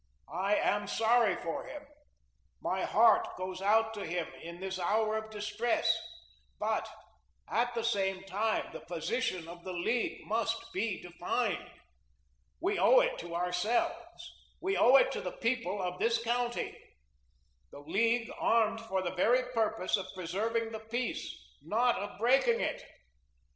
I am sorry for him. My heart goes out to him in this hour of distress, but, at the same time, the position of the League must be defined. We owe it to ourselves, we owe it to the people of this county. The League armed for the very purpose of preserving the peace, not of breaking it.